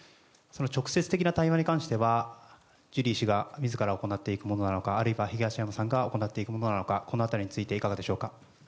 直接的な対話に対してはジュリー氏が行っていくものなのかあるいは東山さんが行っていくものなのかこの辺りについていかがでしょうか？